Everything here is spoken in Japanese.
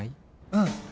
うん。